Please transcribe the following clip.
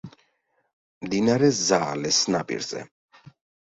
მდინარე ზაალეს ნაპირზე.